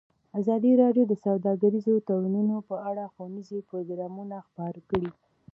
ازادي راډیو د سوداګریز تړونونه په اړه ښوونیز پروګرامونه خپاره کړي.